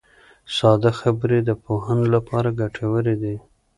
ساده خبرې د پوهاوي لپاره ګټورې دي.